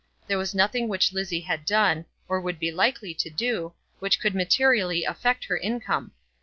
There was nothing which Lizzie had done, or would be likely to do, which could materially affect her income.